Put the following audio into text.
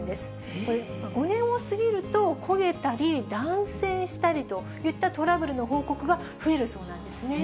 これ、５年を過ぎると焦げたり、断線したりといったトラブルの報告が増えるそうなんですね。